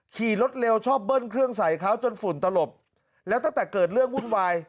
ขี่รถเร็วชอบเบิ้ลเครื่องใส่เขาจนฝุ่นตลบแล้วตั้งแต่เกิดเรื่องวุ่นวาย